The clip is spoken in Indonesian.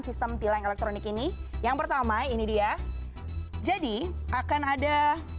sistem tilang elektronik ini yang pertama ini dia jadi akan hanya melakukan pelanggaran yang terakhir ini